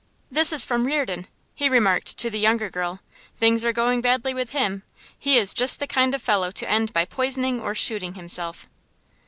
'This is from Reardon,' he remarked to the younger girl. 'Things are going badly with him. He is just the kind of fellow to end by poisoning or shooting himself.